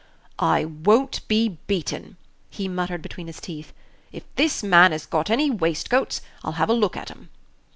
"I won't he beaten," he muttered between his teeth. "If this man has got any waistcoats, I'll have a look at 'em."